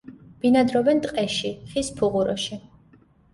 ბინადრობენ ტყეში, ხის ფუღუროში.